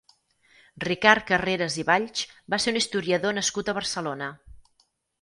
Ricard Carreras i Valls va ser un historiador nascut a Barcelona.